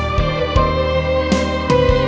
aku masih main